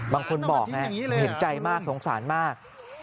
บางคนบอกเห็นใจมากสงสารมาก